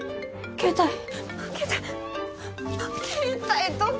携帯どこ！？